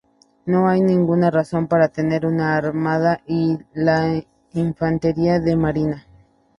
No hay ninguna razón para tener una Armada y la Infantería de Marina.